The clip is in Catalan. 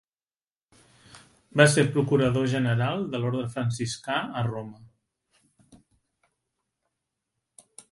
Va ser procurador general de l'orde franciscà a Roma.